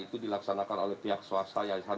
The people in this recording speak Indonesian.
itu dilaksanakan oleh pihak swasta